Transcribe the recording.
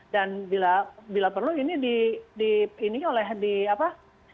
dan bila perlu ini oleh di apa